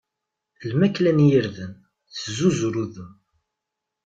Lmakla n yirden tezzuzur udem.